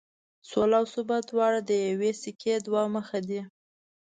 سوله او ثبات دواړه د یوې سکې دوه مخ دي.